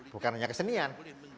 bukan hanya kesenian